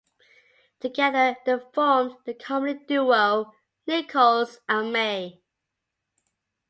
Together they formed the comedy duo Nichols and May.